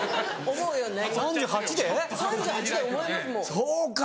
そうか。